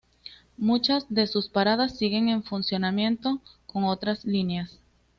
Muchas de sus paradas siguen en funcionamiento con otras líneas.